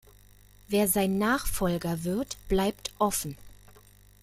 Wer sein Nachfolger wird, bleibt offen.